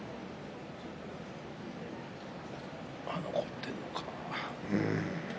残っているのかな。